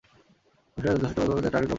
সে যথেষ্ট কাছাকাছি পৌঁছালে টার্গেট লক করবে।